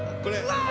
うわ！